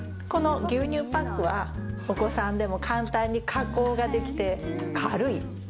この牛乳パックは、お子さんでも簡単に加工ができて軽い。